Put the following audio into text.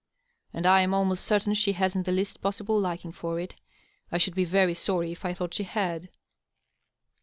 And I am almost certain she hasn't the least possible liking for it. I should be very sorry if I thought she had."